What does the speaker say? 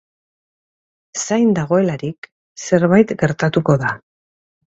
Zain dagoelarik, zerbait gertatuko da.